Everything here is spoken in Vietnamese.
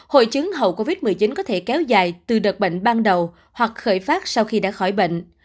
hội chứng hậu covid một mươi chín có thể kéo dài từ đợt bệnh ban đầu hoặc khởi phát sau khi đã khỏi bệnh